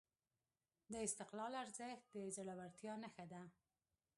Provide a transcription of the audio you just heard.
د استقلال ارزښت د زړورتیا نښه ده.